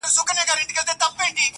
خراپه ښځه د بل ده.